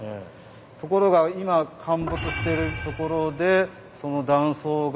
ところが今陥没してるところでその断層が。